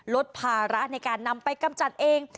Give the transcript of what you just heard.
ลดภาระในการนำไปกำจัดเอง